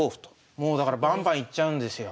もうだからバンバンいっちゃうんですよ。